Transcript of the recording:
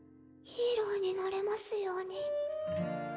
ヒーローになれますように！